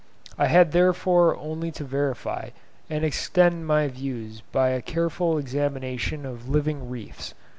I had therefore only to verify and extend my views by a careful examination of living reefs.